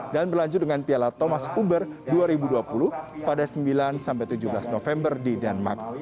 dan berlanjut dengan piala thomas uber dua ribu dua puluh pada sembilan tujuh belas november di denmark